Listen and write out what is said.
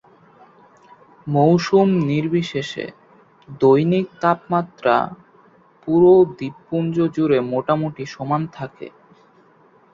মৌসুম নির্বিশেষে, দৈনিক তাপমাত্রা পুরো দ্বীপপুঞ্জ জুড়ে মোটামুটি সমান থাকে।